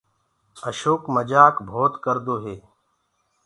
اشوڪ مجآ مجآڪ بهوت ڪردو هي۔